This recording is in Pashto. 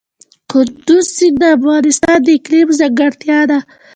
کندز سیند د افغانستان د اقلیم ځانګړتیا ده.